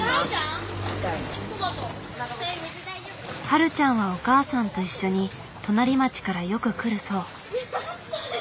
はるちゃんはお母さんと一緒に隣町からよく来るそう。